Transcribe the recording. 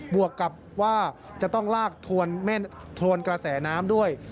วกกับว่าจะต้องลากทวนกระแสน้ำด้วย